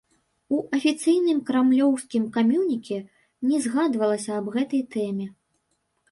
У афіцыйным крамлёўскім камюніке не згадвалася аб гэтай тэме.